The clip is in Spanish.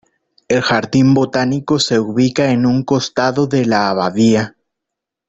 El jardín botánico se ubica en un costado de la Abadía.